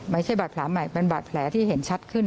ไม่ใช่บาดแผลใหม่เป็นบาดแผลที่เห็นชัดขึ้น